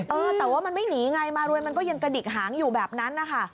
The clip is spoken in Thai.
เออแต่ว่ามันไม่หนีไงมารวยมันก็ยังกระดิกหางอยู่แบบนั้นนะคะ